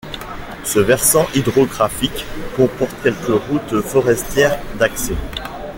Ce versant hydrographique comporte quelques routes forestières d’accès.